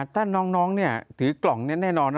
ถ้าน้องถือกล่องเน้นแน่นอน